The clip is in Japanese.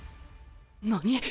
何。